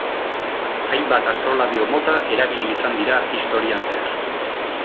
Hainbat astrolabio-mota erabili izan dira historian zehar.